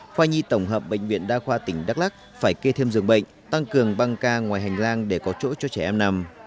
khoa nhi tổng hợp bệnh viện đa khoa tỉnh đắk lắc phải kê thêm dường bệnh tăng cường băng ca ngoài hành lang để có chỗ cho trẻ em nằm